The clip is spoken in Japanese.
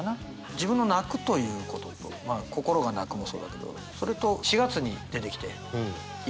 自分の泣くということとまあ心が泣くもそうだけどそれと４月に出てきて１か月でもう五月病だよね。